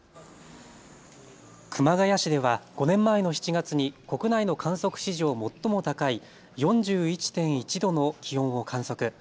熊谷市では５年前の７月に国内の観測史上、最も高い４１．１度の気温を観測。